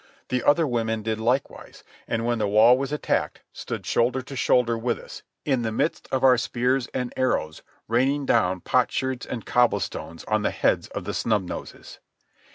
The other women did likewise, and when the wall was attacked, stood shoulder to shoulder with us, in the midst of our spears and arrows raining down potsherds and cobblestones on the heads of the Snub Noses.